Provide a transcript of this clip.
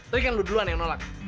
tadi kan lu duluan yang nolak